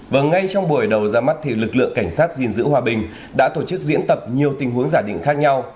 và ngay trong buổi đầu ra mắt thì lực lượng cảnh sát gìn giữ hòa bình đã tổ chức diễn tập nhiều tình huống giả định khác nhau